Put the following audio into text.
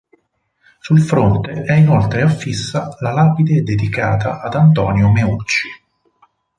Sul fronte è inoltre affissa la lapide dedicata ad Antonio Meucci.